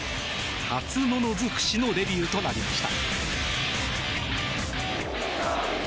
初物尽くしのデビューとなりました。